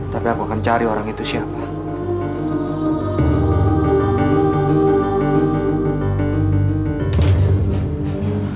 tapi aku akan cari orang itu siapa